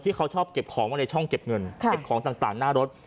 เขาชอบเก็บของไว้ในช่องเก็บเงินเก็บของต่างหน้ารถ